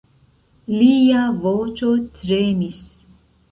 Lia voĉo tremis.